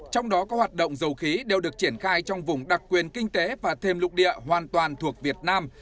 trong đó có hoạt động dầu khí đều được triển khai trong vùng đặc quyền kinh tế và thêm lục địa hoàn toàn thuộc việt nam